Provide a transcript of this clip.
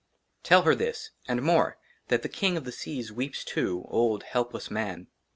•* TELL HER THIS AND MORE, THAT THE KING OF THE SEAS " WEEPS TOO, OLD, HELPLESS MAN.